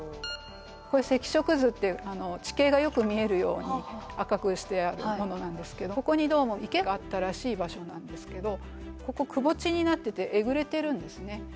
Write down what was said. これ赤色図っていう地形がよく見えるように赤くしてあるものなんですけどここにどうも池があったらしい場所なんですけどここくぼ地になっててえぐれてるんですね。